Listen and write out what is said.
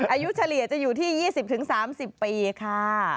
เฉลี่ยจะอยู่ที่๒๐๓๐ปีค่ะ